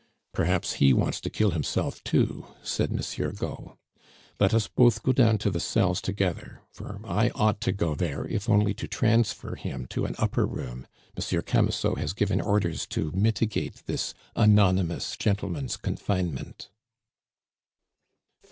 "Perhaps he wants to kill himself too," said Monsieur Gault. "Let us both go down to the cells together, for I ought to go there if only to transfer him to an upper room. Monsieur Camusot has given orders to mitigate this anonymous gentleman's confinement."